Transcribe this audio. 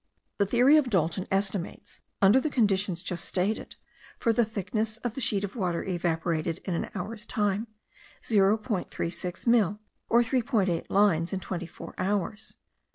The theory of Dalton estimates, under the conditions just stated, for the thickness of the sheet of water evaporated in an hour's time, 0.36 mill., or 3.8 lines in twenty four hours.